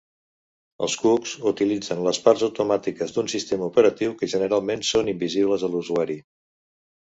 Els cucs utilitzen les parts automàtiques d'un sistema operatiu que generalment són invisibles a l'usuari.